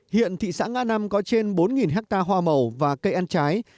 hiện thị xã nga năm có trên bốn hectare hoa màu và cây ăn trái